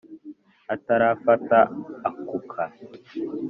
atarafata akuka